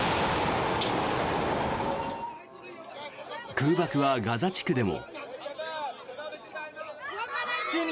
空爆はガザ地区でも。